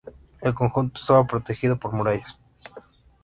El conjunto estaba protegido por murallas.